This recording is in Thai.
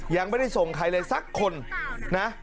ยังไม่ได้ส่งใครเลยสักคนนะ